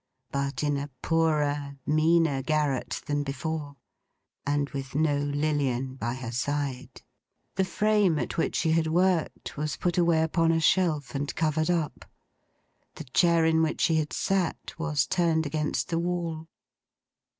But in a poorer, meaner garret than before; and with no Lilian by her side. The frame at which she had worked, was put away upon a shelf and covered up. The chair in which she had sat, was turned against the wall.